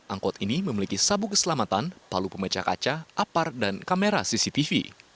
angkot ini memiliki sabuk keselamatan palu pemecah kaca apar dan kamera cctv